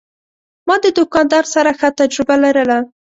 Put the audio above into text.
ما د دوکاندار سره ښه تجربه لرله.